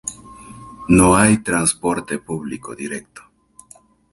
No hay transporte público directo.